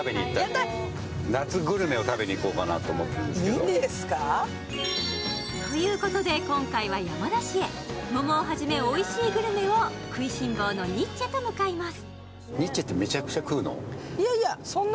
イエーイ！ということで今回は山梨へ桃をはじめおいしいグルメを食いしん坊のニッチェと向かいます。